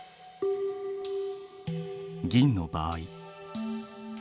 銀の場合。